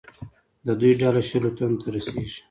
د دوی ډله شلو تنو ته رسېږي.